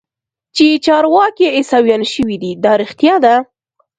چې چارواکي عيسويان سوي دي دا رښتيا ده.